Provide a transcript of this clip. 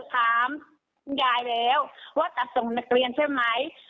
คบตัดสนทนักเรียนใช่ไหม